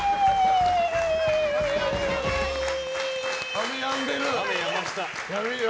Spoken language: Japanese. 雨やんでる！